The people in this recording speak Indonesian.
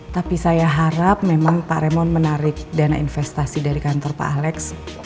tapi saya harap memang pak remo menarik dana investasi dari kantor pak alex